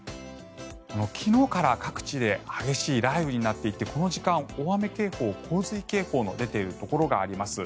昨日から各地で激しい雷雨になっていてこの時間大雨警報・洪水警報の出ているところがあります。